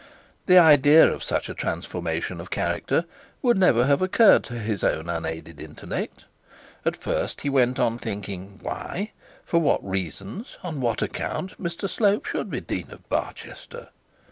The idea of such a transformation of character would never have occurred to his own unaided intellect. At first he went on thinking why, for what reasons, on what account, Mr Slope should be dean of Barchester.